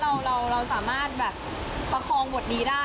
แล้วก็เรียนเห็นว่าเราสามารถประคองบทดีได้